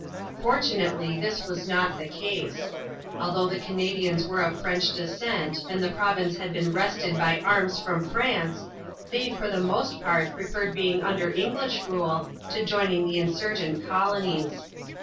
Fortunately this was not the case. Although the Canadians were of French descent and the province had been wrested by arms from France, they for the most part preferred being under English rule to joining the insurgent colonies.